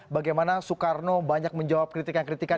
bagaimana soekarno banyak menjawab kritikan kritikan